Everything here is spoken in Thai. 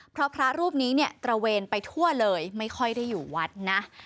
เพราะพระรูปนี้เนี่ยตระเวนไปทั่วเลยไม่ค่อยได้อยู่วัดนะ